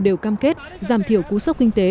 đều cam kết giảm thiểu cú sốc kinh tế